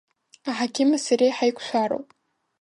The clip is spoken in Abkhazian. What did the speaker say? Аҳақьыми сареи ҳаиқәшәароуп.